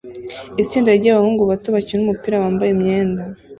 Itsinda ryabahungu bato bakina umupira wambaye imyenda